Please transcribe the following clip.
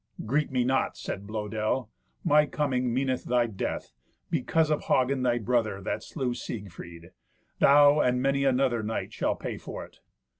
"Greet me not," said Blœdel. "My coming meaneth thy death, because of Hagen, thy brother, that slew Siegfried. Thou and many another knight shall pay for it."